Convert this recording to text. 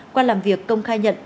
qua làm việc công khai nhận